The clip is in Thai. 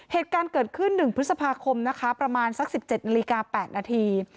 เหตุการณ์เกิดขึ้น๑พฤษภาคมนะคะประมาณสัก๑๗นาฬิกา๘นาที